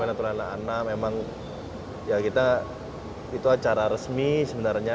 karena naturalnya anak anak memang ya kita itu acara resmi sebenarnya